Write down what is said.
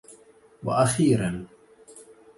وأخيرا!